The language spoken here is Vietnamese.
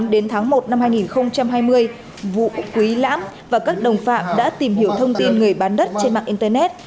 đến tháng một năm hai nghìn hai mươi vũ quý lãm và các đồng phạm đã tìm hiểu thông tin người bán đất trên mạng internet